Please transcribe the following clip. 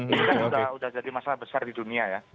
itu kan udah jadi masalah besar di dunia ya